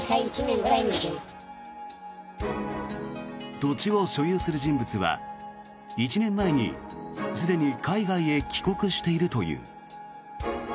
土地を所有する人物は１年前にすでに海外へ帰国しているという。